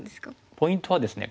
ポイントはですね